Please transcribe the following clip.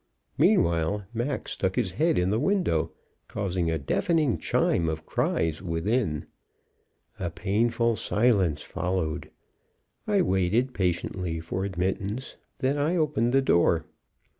Meanwhile, Mac stuck his head in the window, causing a deafening chime of cries within. A painful silence followed. I waited patiently for admittance; then I opened the door.